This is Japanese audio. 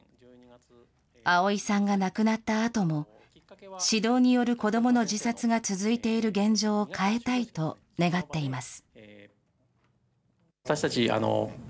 碧さんが亡くなったあとも、指導による子どもの自殺が続いている現状を変えたいと願っています。